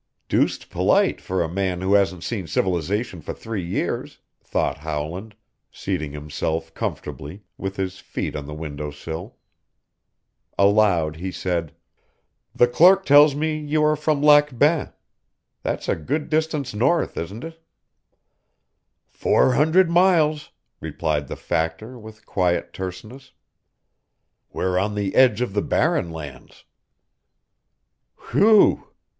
"Deuced polite for a man who hasn't seen civilization for three years," thought Howland, seating himself comfortably, with his feet on the window sill. Aloud he said, "The clerk tells me you are from Lac Bain. That's a good distance north, isn't it?" "Four hundred miles," replied the factor with quiet terseness. "We're on the edge of the Barren Lands." "Whew!"